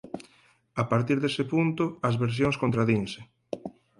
A partir dese punto as versións contradinse.